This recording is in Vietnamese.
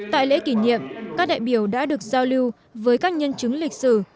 tại lễ kỷ niệm các đại biểu đã được giao lưu với các nhân chứng lịch sử